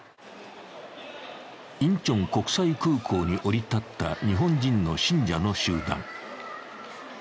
インチョン国際空港に降り立った日本人の信者の集団。